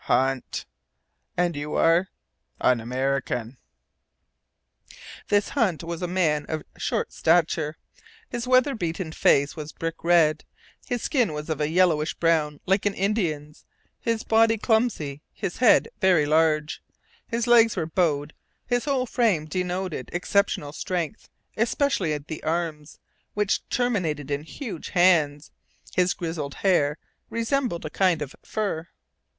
"Hunt." "And you are ?" "An American." This Hunt was a man of short stature, his weather beaten face was brick red, his skin of a yellowish brown like an Indian's, his body clumsy, his head very large, his legs were bowed, his whole frame denoted exceptional strength, especially the arms, which terminated in huge hands. His grizzled hair resembled a kind of fur.